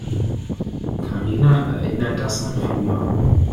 Karina erinnert das an früher.